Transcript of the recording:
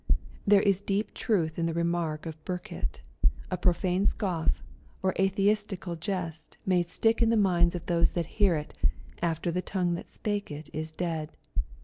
There is deep truth in the remark of Burkitt, " A profane scoff or atheistical jest may stick in the minds of those that hear it, after the tongue that spake it is dead.